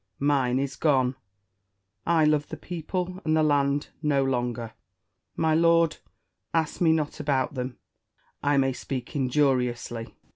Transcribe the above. Mine is gone : I love the people and the land no longer. My lord, ask me not about them : I may speak injuriously.